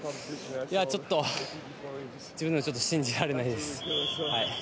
ちょっと自分でも信じられないです。